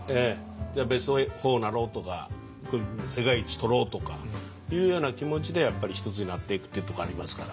ベスト４になろうとか世界一取ろうとかいうような気持ちでやっぱり一つになっていくっていうとこありますから。